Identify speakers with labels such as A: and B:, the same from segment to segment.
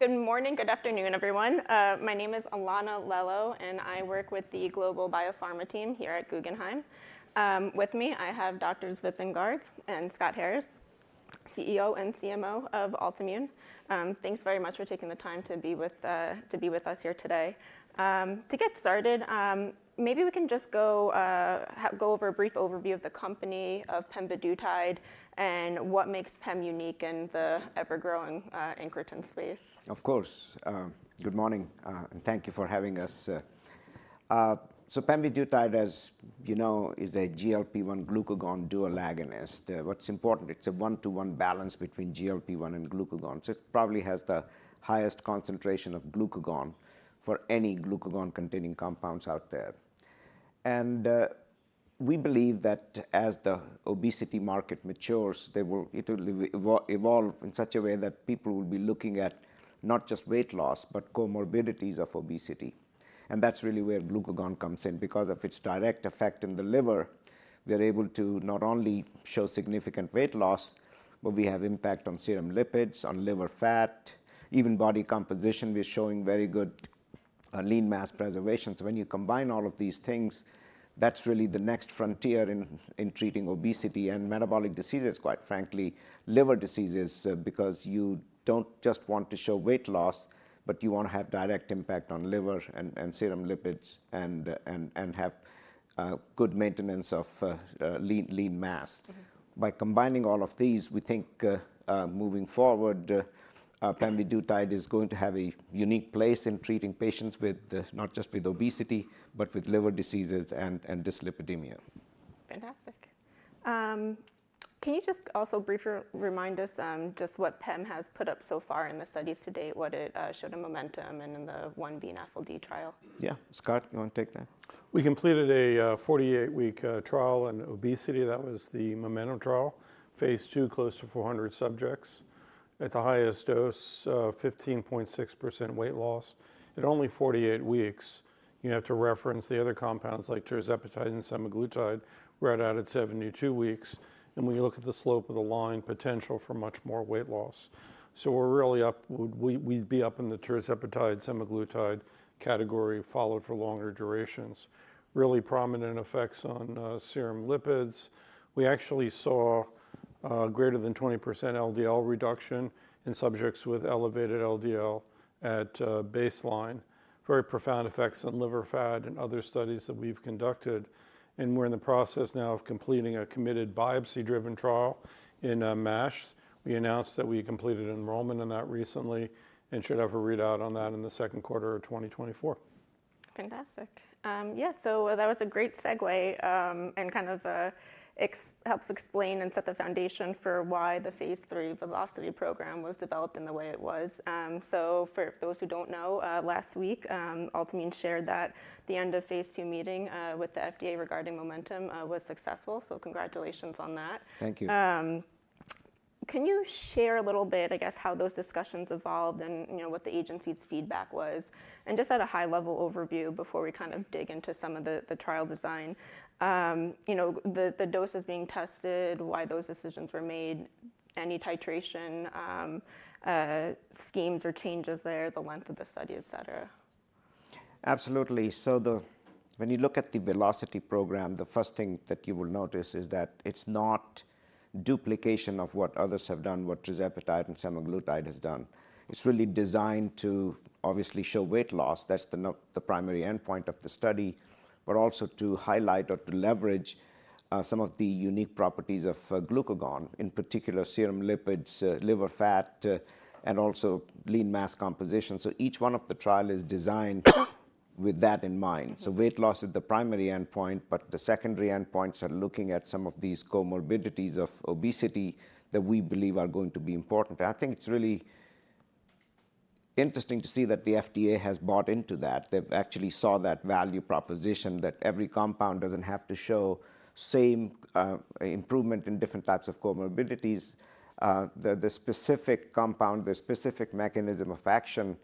A: Good morning, good afternoon, everyone. My name is Alana Lelo, and I work with the global biopharma team here at Guggenheim. With me, I have Dr. Vipin Garg and Scott Harris, CEO and CMO of Altimmune. Thanks very much for taking the time to be with us here today. To get started, maybe we can just go over a brief overview of the company of Pemvidutide and what makes Pem unique in the ever-growing incretin space.
B: Of course. Good morning, and thank you for having us. So Pemvidutide, as you know, is a GLP-1 glucagon dual agonist. What's important is it's a one-to-one balance between GLP-1 and glucagon. So it probably has the highest concentration of glucagon for any glucagon-containing compounds out there. And we believe that as the obesity market matures, it will evolve in such a way that people will be looking at not just weight loss, but comorbidities of obesity. And that's really where glucagon comes in. Because of its direct effect in the liver, we are able to not only show significant weight loss, but we have impact on serum lipids, on liver fat, even body composition. We're showing very good lean mass preservation. When you combine all of these things, that's really the next frontier in treating obesity and metabolic diseases, quite frankly, liver diseases, because you don't just want to show weight loss, but you want to have direct impact on liver and serum lipids and have good maintenance of lean mass. By combining all of these, we think moving forward, Pemvidutide is going to have a unique place in treating patients not just with obesity, but with liver diseases and dyslipidemia.
A: Fantastic. Can you just also briefly remind us just what PEM has put up so far in the studies to date, what it showed in MOMENTUM and in the 1B and NAFLD trial?
B: Yeah. Scott, you want to take that?
C: We completed a 48-week trial in obesity. That was the MOMENTUM trial, phase II, close to 400 subjects. At the highest dose, 15.6% weight loss. At only 48 weeks, you have to reference the other compounds like Tirzepatide and Semaglutide right at 72 weeks, and when you look at the slope of the line, potential for much more weight loss, so we're really up, we'd be up in the Tirzepatide, Semaglutide category, followed for longer durations. Really prominent effects on serum lipids. We actually saw greater than 20% LDL reduction in subjects with elevated LDL at baseline. Very profound effects on liver fat and other studies that we've conducted, and we're in the process now of completing a committed biopsy-driven trial in MASH. We announced that we completed enrollment in that recently and should have a readout on that in the second quarter of 2024.
A: Fantastic. Yeah, so that was a great segue and kind of helps explain and set the foundation for why the phase III VELOCITY program was developed in the way it was. So for those who don't know, last week, Altimmune shared that the end of phase II meeting with the FDA regarding MOMENTUM was successful. So congratulations on that.
B: Thank you.
A: Can you share a little bit, I guess, how those discussions evolved and what the agency's feedback was? And just at a high-level overview before we kind of dig into some of the trial design, the doses being tested, why those decisions were made, any titration schemes or changes there, the length of the study, et cetera.
B: Absolutely. So when you look at the VELOCITY program, the first thing that you will notice is that it's not duplication of what others have done, what Tirzepatide and semaglutide have done. It's really designed to obviously show weight loss. That's the primary endpoint of the study, but also to highlight or to leverage some of the unique properties of glucagon, in particular serum lipids, liver fat, and also lean mass composition. So each one of the trials is designed with that in mind. So weight loss is the primary endpoint, but the secondary endpoints are looking at some of these comorbidities of obesity that we believe are going to be important. I think it's really interesting to see that the FDA has bought into that. They actually saw that value proposition that every compound doesn't have to show the same improvement in different types of comorbidities. The specific compound, the specific mechanism of action,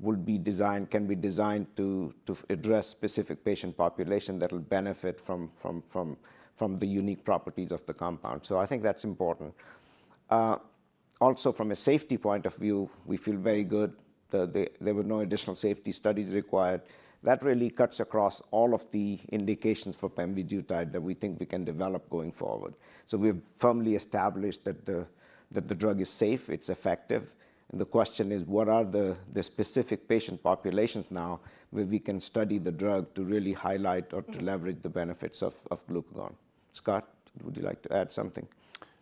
B: would be designed, can be designed, to address specific patient population that will benefit from the unique properties of the compound, so I think that's important. Also, from a safety point of view, we feel very good. There were no additional safety studies required. That really cuts across all of the indications for Pemvidutide that we think we can develop going forward, so we have firmly established that the drug is safe, it's effective, and the question is, what are the specific patient populations now where we can study the drug to really highlight or to leverage the benefits of glucagon? Scott, would you like to add something?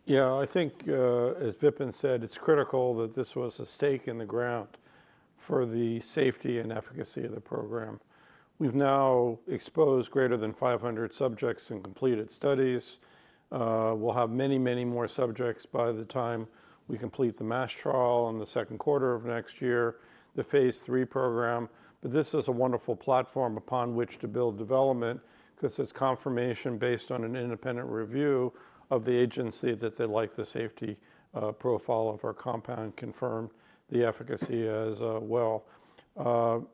C: Yeah, I think, as Vipin said, it's critical that this was a stake in the ground for the safety and efficacy of the program. We've now exposed greater than 500 subjects and completed studies. We'll have many, many more subjects by the time we complete the MASH trial in the second quarter of next year, the phase III program. But this is a wonderful platform upon which to build development because it's confirmation based on an independent review of the agency that they like the safety profile of our compound, confirmed the efficacy as well.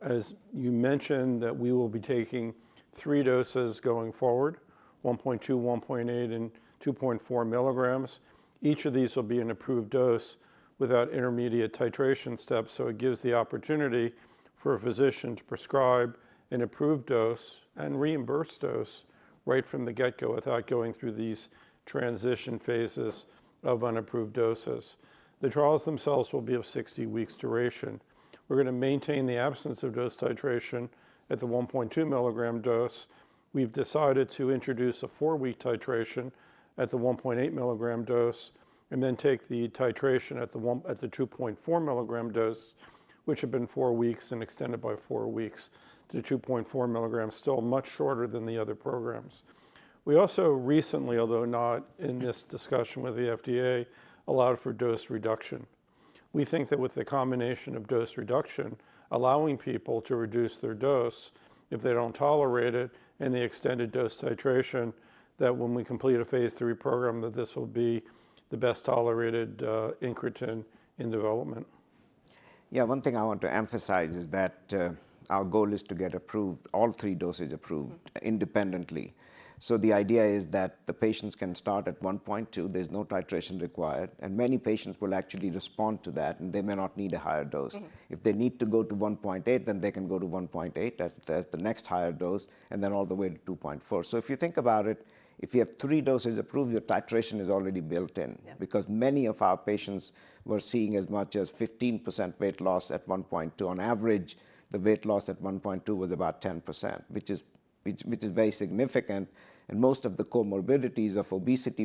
C: As you mentioned, that we will be taking three doses going forward, 1.2 mg, 1.8 mg, and 2.4 mg. Each of these will be an approved dose without intermediate titration steps. So it gives the opportunity for a physician to prescribe an approved dose and reimburse dose right from the get-go without going through these transition phases of unapproved doses. The trials themselves will be of 60 weeks' duration. We're going to maintain the absence of dose titration at the 1.2 mg dose. We've decided to introduce a four-week titration at the 1.8 mg dose and then take the titration at the 2.4 mg dose, which had been four weeks and extended by four weeks to 2.4 mg, still much shorter than the other programs. We also recently, although not in this discussion with the FDA, allowed for dose reduction. We think that with the combination of dose reduction, allowing people to reduce their dose if they don't tolerate it, and the extended dose titration, that when we complete a phase III program, that this will be the best tolerated incretin in development.
B: Yeah, one thing I want to emphasize is that our goal is to get approved, all three doses approved independently. So the idea is that the patients can start at 1.2 mg. There's no titration required. And many patients will actually respond to that, and they may not need a higher dose. If they need to go to 1.8, then they can go to 1.8 mg as the next higher dose, and then all the way to 2.4 mg. So if you think about it, if you have three doses approved, your titration is already built in. Because many of our patients were seeing as much as 15% weight loss at 1.2 mg. On average, the weight loss at 1.2 mg was about 10%, which is very significant. And most of the comorbidities of obesity,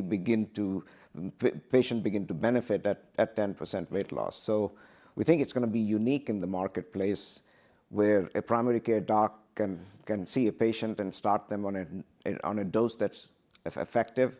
B: patients begin to benefit at 10% weight loss. So we think it's going to be unique in the marketplace where a primary care doc can see a patient and start them on a dose that's effective,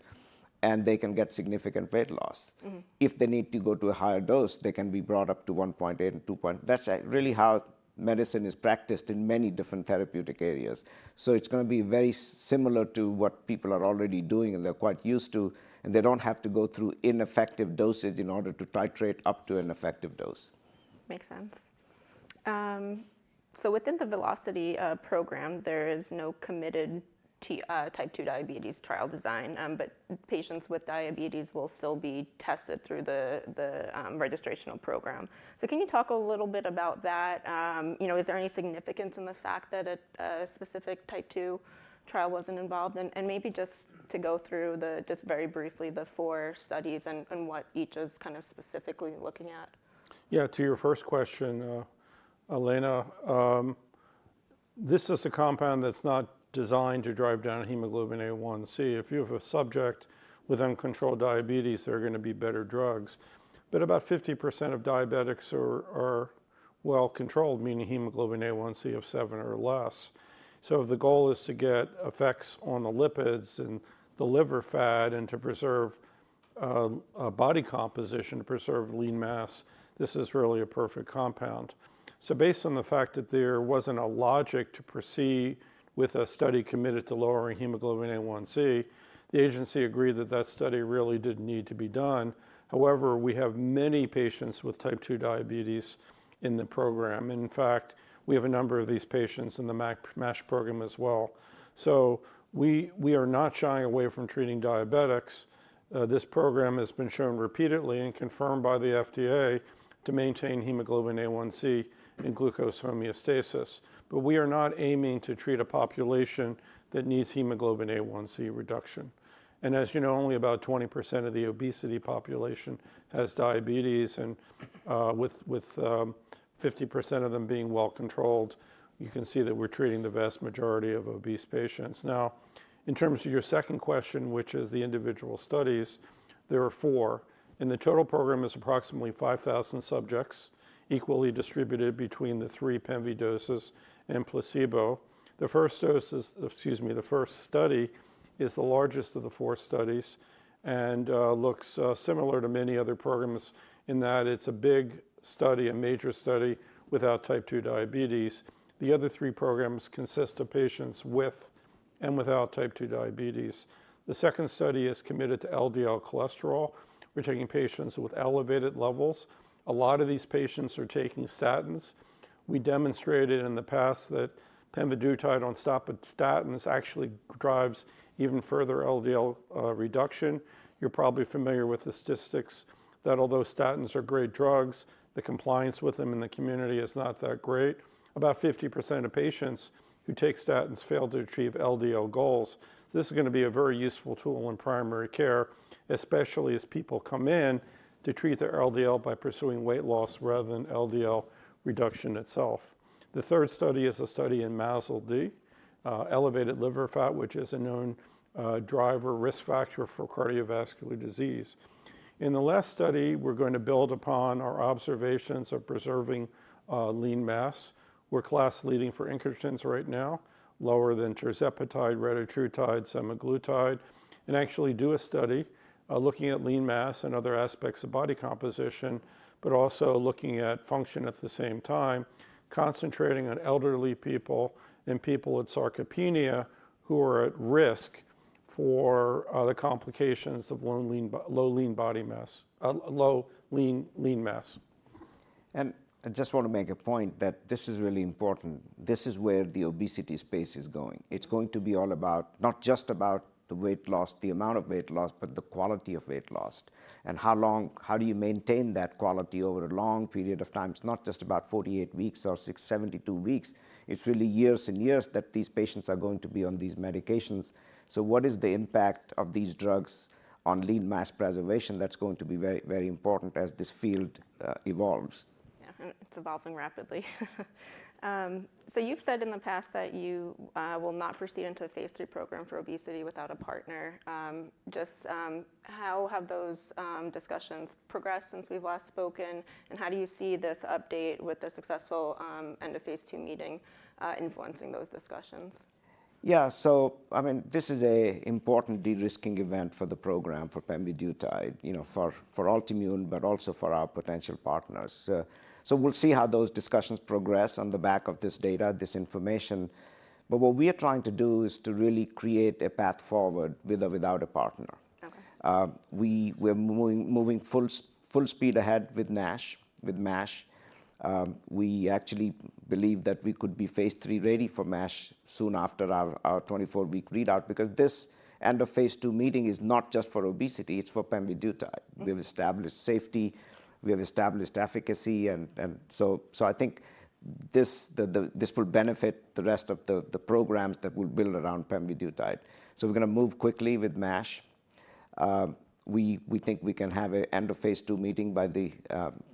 B: and they can get significant weight loss. If they need to go to a higher dose, they can be brought up to 1.8 mg and 2 mg. That's really how medicine is practiced in many different therapeutic areas. So it's going to be very similar to what people are already doing, and they're quite used to, and they don't have to go through ineffective dosage in order to titrate up to an effective dose.
A: Makes sense. So within the VELOCITY program, there is no committed type 2 diabetes trial design, but patients with diabetes will still be tested through the registration program. So can you talk a little bit about that? Is there any significance in the fact that a specific type 2 trial wasn't involved? And maybe just to go through just very briefly the four studies and what each is kind of specifically looking at?
C: Yeah, to your first question, Alana, this is a compound that's not designed to drive down hemoglobin A1c. If you have a subject with uncontrolled diabetes, there are going to be better drugs. But about 50% of diabetics are well controlled, meaning hemoglobin A1c of seven or less. So if the goal is to get effects on the lipids and the liver fat and to preserve body composition, to preserve lean mass, this is really a perfect compound. So based on the fact that there wasn't a logic to proceed with a study committed to lowering hemoglobin A1c, the agency agreed that that study really didn't need to be done. However, we have many patients with type 2 diabetes in the program. In fact, we have a number of these patients in the MASH program as well. So we are not shying away from treating diabetics. This program has been shown repeatedly and confirmed by the FDA to maintain hemoglobin A1c and glucose homeostasis, but we are not aiming to treat a population that needs hemoglobin A1c reduction, and as you know, only about 20% of the obesity population has diabetes, and with 50% of them being well controlled, you can see that we're treating the vast majority of obese patients. Now, in terms of your second question, which is the individual studies, there are four, and the total program is approximately 5,000 subjects equally distributed between the three Pemvidutide doses and placebo. The first dose is, excuse me, the first study is the largest of the four studies and looks similar to many other programs in that it's a big study, a major study without type 2 diabetes. The other three programs consist of patients with and without type 2 diabetes. The second study is committed to LDL cholesterol. We're taking patients with elevated levels. A lot of these patients are taking statins. We demonstrated in the past that Pemvidutide on statins actually drives even further LDL reduction. You're probably familiar with the statistics that although statins are great drugs, the compliance with them in the community is not that great. About 50% of patients who take statins fail to achieve LDL goals. This is going to be a very useful tool in primary care, especially as people come in to treat their LDL by pursuing weight loss rather than LDL reduction itself. The third study is a study in MASLD, elevated liver fat, which is a known driver risk factor for cardiovascular disease. In the last study, we're going to build upon our observations of preserving lean mass. We're class leading for incretins right now, lower than Tirzepatide, Retatrutide, Semaglutide, and actually do a study looking at lean mass and other aspects of body composition, but also looking at function at the same time, concentrating on elderly people and people with sarcopenia who are at risk for the complications of low lean body mass, low lean mass.
B: And I just want to make a point that this is really important. This is where the obesity space is going. It's going to be all about, not just about the weight loss, the amount of weight loss, but the quality of weight loss. And how long, how do you maintain that quality over a long period of time? It's not just about 48 weeks or 72 weeks. It's really years and years that these patients are going to be on these medications. So what is the impact of these drugs on lean mass preservation? That's going to be very, very important as this field evolves.
A: Yeah, it's evolving rapidly. So you've said in the past that you will not proceed into a phase III program for obesity without a partner. Just how have those discussions progressed since we've last spoken? And how do you see this update with the successful end of phase II meeting influencing those discussions?
B: Yeah, so I mean, this is an important de-risking event for the program for Pemvidutide, for Altimmune, but also for our potential partners. So we'll see how those discussions progress on the back of this data, this information. But what we are trying to do is to really create a path forward with or without a partner. We're moving full speed ahead with NASH, with MASH. We actually believe that we could be phase III ready for MASH soon after our 24-week readout because this end of phase II meeting is not just for obesity. It's for Pemvidutide. We have established safety. We have established efficacy. And so I think this will benefit the rest of the programs that we'll build around Pemvidutide. So we're going to move quickly with MASH. We think we can have an end of phase II meeting by the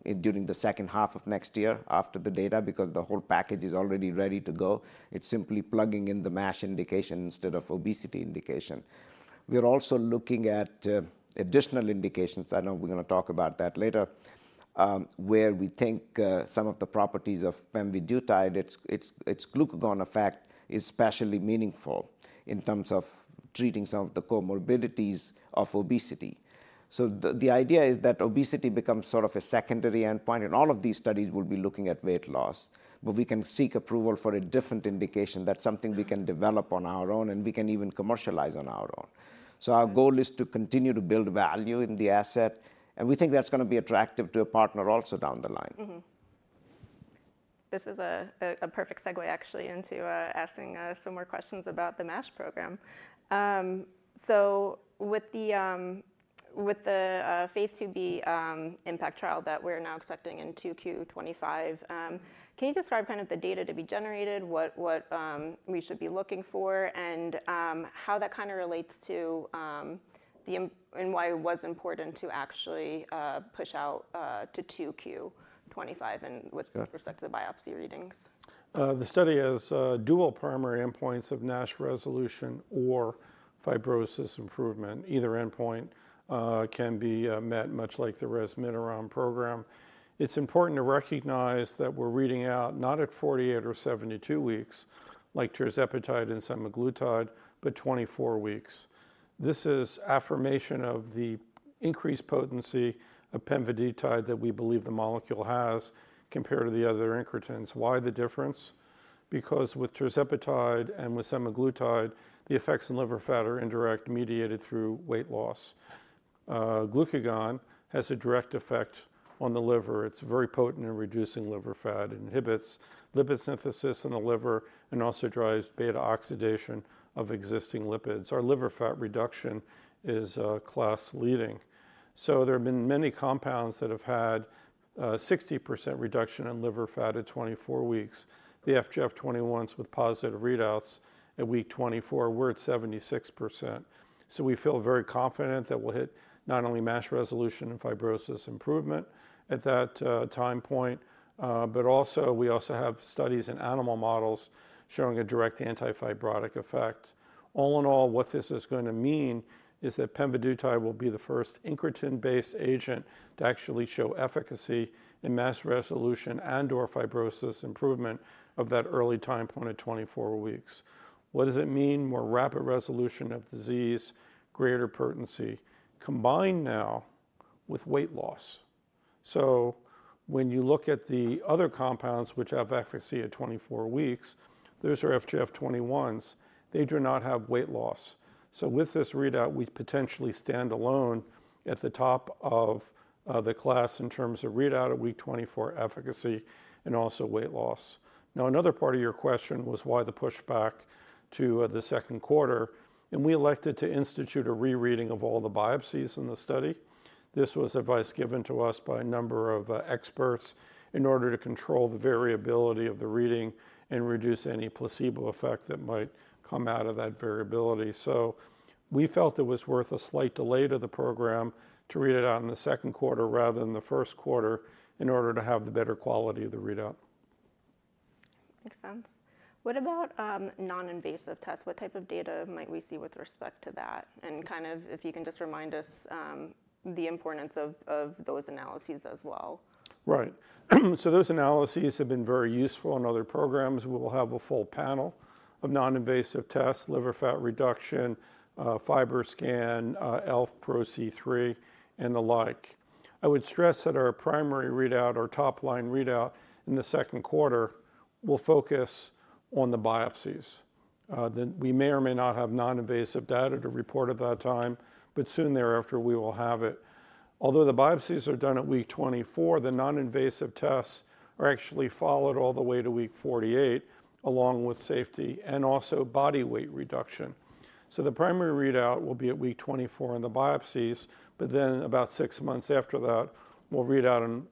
B: end of the second half of next year after the data because the whole package is already ready to go. It's simply plugging in the MASH indication instead of obesity indication. We're also looking at additional indications. I know we're going to talk about that later, where we think some of the properties of Pemvidutide, its glucagon effect is especially meaningful in terms of treating some of the comorbidities of obesity, so the idea is that obesity becomes sort of a secondary endpoint, and all of these studies will be looking at weight loss, but we can seek approval for a different indication that's something we can develop on our own and we can even commercialize on our own, so our goal is to continue to build value in the asset. We think that's going to be attractive to a partner also down the line.
A: This is a perfect segue, actually, into asking some more questions about the MASH program. So with the phase IIb IMPACT trial that we're now accepting in 2Q25, can you describe kind of the data to be generated, what we should be looking for, and how that kind of relates to and why it was important to actually push out to 2Q25 and with respect to the biopsy readings?
C: The study has dual primary endpoints of NASH resolution or fibrosis improvement. Either endpoint can be met much like the Resmetirom program. It's important to recognize that we're reading out not at 48 or 72 weeks like Tirzepatide and Semaglutide, but 24 weeks. This is affirmation of the increased potency of Pemvidutide that we believe the molecule has compared to the other incretins. Why the difference? Because with tirzepatide and with semaglutide, the effects in liver fat are indirect, mediated through weight loss. Glucagon has a direct effect on the liver. It's very potent in reducing liver fat. It inhibits lipid synthesis in the liver and also drives beta oxidation of existing lipids. Our liver fat reduction is class leading. So there have been many compounds that have had 60% reduction in liver fat at 24 weeks. The FGF21s with positive readouts at week 24 were at 76%. So we feel very confident that we'll hit not only MASH resolution and fibrosis improvement at that time point, but also we also have studies in animal models showing a direct antifibrotic effect. All in all, what this is going to mean is that Pemvidutide will be the first incretin-based agent to actually show efficacy in MASH resolution and/or fibrosis improvement of that early time point of 24 weeks. What does it mean? More rapid resolution of disease, greater potency, combined now with weight loss. So when you look at the other compounds which have efficacy at 24 weeks, those are FGF21s. They do not have weight loss. So with this readout, we potentially stand alone at the top of the class in terms of readout at week 24 efficacy and also weight loss. Now, another part of your question was why the pushback to the second quarter. We elected to institute a rereading of all the biopsies in the study. This was advice given to us by a number of experts in order to control the variability of the reading and reduce any placebo effect that might come out of that variability. We felt it was worth a slight delay to the program to read it out in the second quarter rather than the first quarter in order to have the better quality of the readout.
A: Makes sense. What about non-invasive tests? What type of data might we see with respect to that? And kind of if you can just remind us the importance of those analyses as well.
C: Right, so those analyses have been very useful in other programs. We will have a full panel of non-invasive tests, liver fat reduction, FibroScan, ELF, Pro-C3, and the like. I would stress that our primary readout or top line readout in the second quarter will focus on the biopsies. We may or may not have non-invasive data to report at that time, but soon thereafter we will have it. Although the biopsies are done at week 24, the non-invasive tests are actually followed all the way to week 48 along with safety and also body weight reduction, so the primary readout will be at week 24 in the biopsies, but then about six months after that, we'll read out on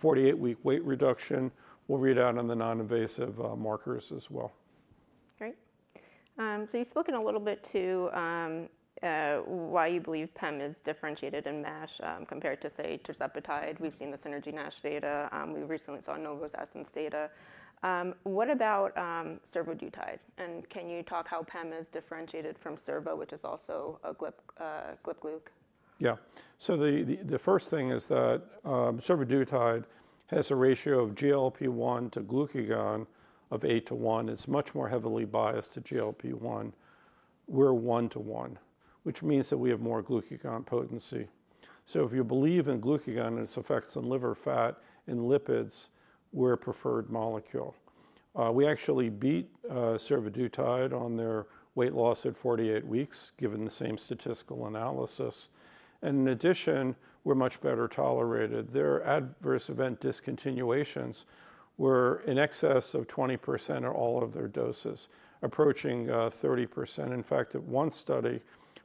C: 48-week weight reduction. We'll read out on the non-invasive markers as well.
A: Great. So you've spoken a little bit to why you believe PEM is differentiated in MASH compared to, say, Tirzepatide. We've seen the SYNERGY-NASH data. We recently saw Novo's ESSENCE data. What about Survodutide? And can you talk how Pem is differentiated from Survo, which is also a GLP gluc?
C: Yeah. So the first thing is that Survodutide has a ratio of GLP-1 to glucagon of 8:1. It's much more heavily biased to GLP-1. We're 1:1, which means that we have more glucagon potency. So if you believe in glucagon and its effects on liver fat and lipids, we're a preferred molecule. We actually beat Survodutide on their weight loss at 48 weeks given the same statistical analysis. And in addition, we're much better tolerated. Their adverse event discontinuations were in excess of 20% at all of their doses, approaching 30%. In fact, at one study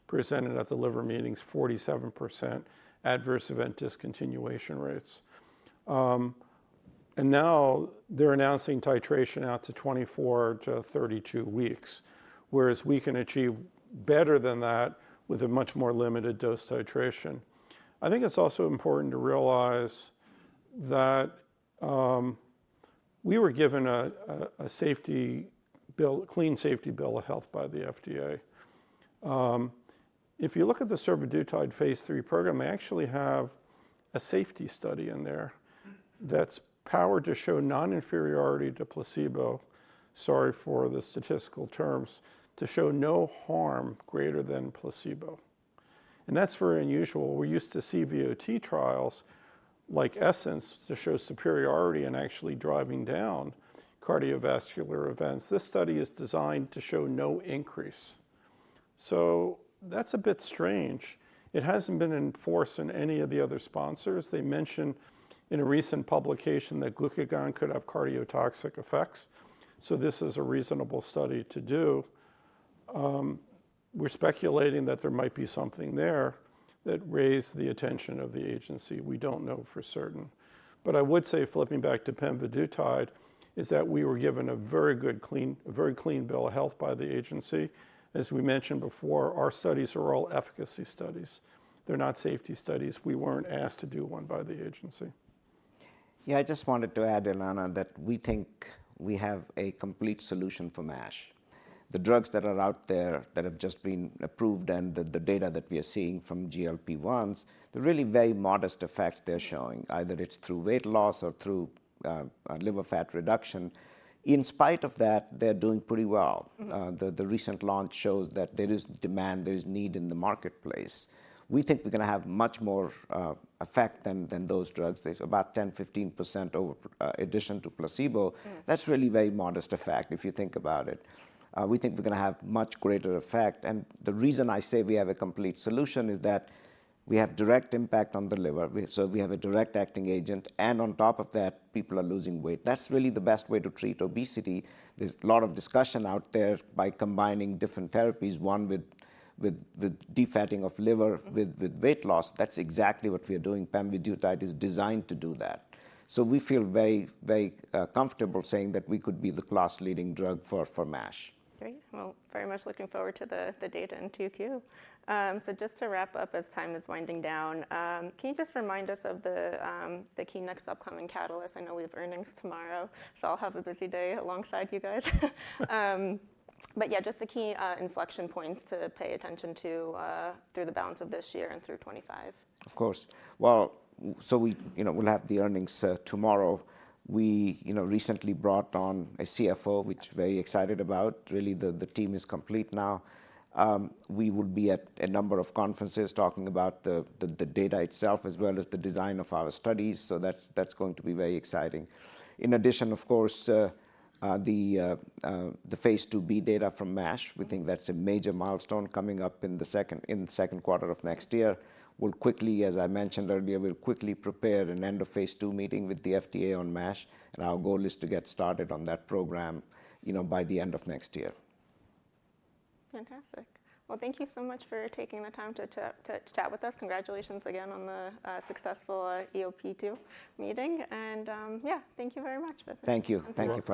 C: presented at the liver meetings, 47% adverse event discontinuation rates. And now they're announcing titration out to 24 to 32 weeks, whereas we can achieve better than that with a much more limited dose titration. I think it's also important to realize that we were given a safety bill, clean safety bill of health by the FDA. If you look at the Survodutide phase III program, they actually have a safety study in there that's powered to show non-inferiority to placebo, sorry for the statistical terms, to show no harm greater than placebo, and that's very unusual. We used to see CVOT trials like ESSENCE to show superiority in actually driving down cardiovascular events. This study is designed to show no increase, so that's a bit strange. It hasn't been enforced in any of the other sponsors. They mentioned in a recent publication that glucagon could have cardiotoxic effects. So this is a reasonable study to do. We're speculating that there might be something there that raised the attention of the agency. We don't know for certain. But I would say, flipping back to Pemvidutide, is that we were given a very good, clean, very clean bill of health by the agency. As we mentioned before, our studies are all efficacy studies. They're not safety studies. We weren't asked to do one by the agency.
B: Yeah, I just wanted to add in that we think we have a complete solution for MASH. The drugs that are out there that have just been approved and the data that we are seeing from GLP-1s, the really very modest effects they're showing, either it's through weight loss or through liver fat reduction. In spite of that, they're doing pretty well. The recent launch shows that there is demand, there is need in the marketplace. We think we're going to have much more effect than those drugs. There's about 10%-15% addition to placebo. That's really very modest effect if you think about it. We think we're going to have much greater effect. And the reason I say we have a complete solution is that we have direct impact on the liver. So we have a direct acting agent. And on top of that, people are losing weight. That's really the best way to treat obesity. There's a lot of discussion out there by combining different therapies, one with defatting of liver, with weight loss. That's exactly what we are doing. Pemvidutide is designed to do that. So we feel very, very comfortable saying that we could be the class leading drug for MASH.
A: Great. Well, very much looking forward to the data in 2Q. So just to wrap up as time is winding down, can you just remind us of the key next upcoming catalyst? I know we have earnings tomorrow. So I'll have a busy day alongside you guys. But yeah, just the key inflection points to pay attention to through the balance of this year and through 2025.
B: Of course. Well, so we'll have the earnings tomorrow. We recently brought on a CFO, which we're very excited about. Really, the team is complete now. We will be at a number of conferences talking about the data itself as well as the design of our studies. So that's going to be very exciting. In addition, of course, the phase IIb data from MASH, we think that's a major milestone coming up in the second quarter of next year. We'll quickly, as I mentioned earlier, prepare an end-of-phase II meeting with the FDA on MASH. And our goal is to get started on that program by the end of next year.
A: Fantastic. Well, thank you so much for taking the time to chat with us. Congratulations again on the successful EOP2 meeting. And yeah, thank you very much.
B: Thank you. Thank you for.